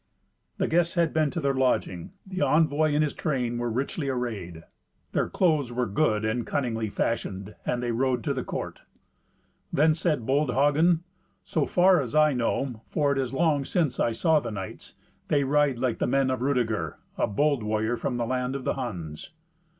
The guests had been to their lodging. The envoy and his train were richly arrayed. Their clothes were good, and cunningly fashioned; and they rode to the court. Then said bold Hagen, "So far as I know, for it is long since I saw the knights, they ride like the men of Rudeger, a bold warrior from the land of the Huns."